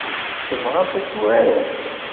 Tebɣamt ad tt-turaremt?